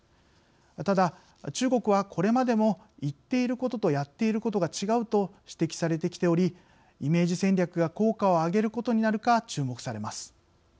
ただ中国は、これまでも言っていることとやっていることが違うと指摘されてきておりイメージ戦略が効果を上げることになるか注目されます。